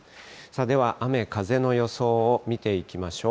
では、雨、風の予想を見ていきましょう。